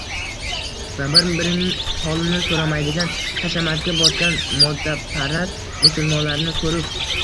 Va bir-birining holini so‘ramaydigan, hashamatga botgan moddaparast musulmonlarni ko‘rib